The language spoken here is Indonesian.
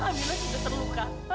pamila sudah terluka